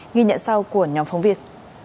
nghi nhận sau của nhóm phóng viên